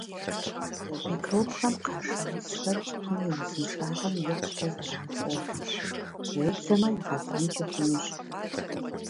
Микробхэм къашэ узхэр цӀыхум и узыншагъэм икъукӀэ зэран хуохъу, уеблэмэ игъэлӀэнкӀи хъунущ.